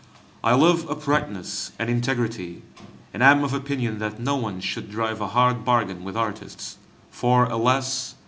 I love uprightness and integrity, and am of opinion that no one should drive a hard bargain with artists, for, alas!